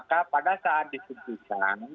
kalau komponen yang adalah gen dari penyakit